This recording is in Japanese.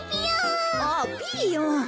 あピーヨン。